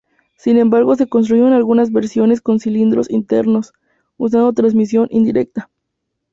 Sin embargo, se construyeron algunas versiones con cilindros internos, usando transmisión indirecta.